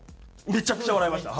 めちゃくちゃ笑いました。